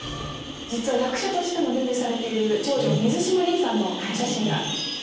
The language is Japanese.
役者としてもデビューされている長女水嶋凜さんのお写真が。